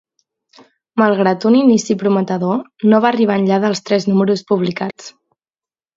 Malgrat un inici prometedor, no va arribar enllà dels tres números publicats.